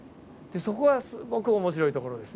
そこはすごく面白いところですね。